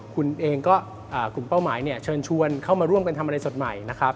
คุณเองก็กลุ่มเป้าหมายเนี่ยเชิญชวนเข้ามาร่วมกันทำอะไรสดใหม่นะครับ